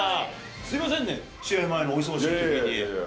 すみませんね、試合前のお忙しいいやいや。